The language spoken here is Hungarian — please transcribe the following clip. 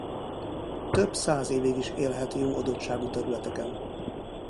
Több száz évig is élhet jó adottságú területeken.